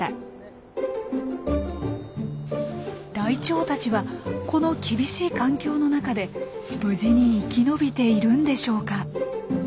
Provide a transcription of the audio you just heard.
ライチョウたちはこの厳しい環境の中で無事に生き延びているんでしょうか？